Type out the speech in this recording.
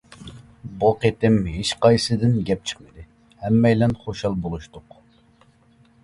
بۇ قېتىم ھېچقايسىسىدىن گەپ چىقمىدى، ھەممەيلەن خۇشال بولۇشتۇق.